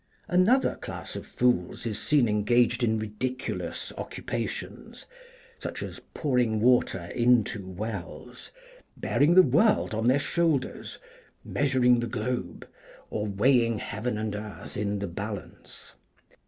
Another class of fools is seen engaged in ridiculous occupations, such as pouring water into wells; bearing the world on their shoulders; measuring the globe; or weighing heaven and earth in the balance.